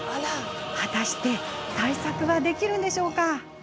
果たして対策はできるんでしょうか。